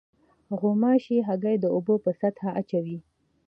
غوماشې هګۍ د اوبو په سطحه اچوي.